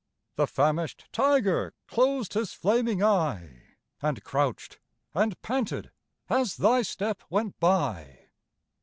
The famished tiger closed his flaming eye, And crouched and panted as thy step went by!